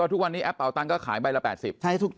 ในแอปเอาตังค์ก็ขายใบละ๘๐บาท